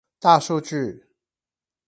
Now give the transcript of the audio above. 大數據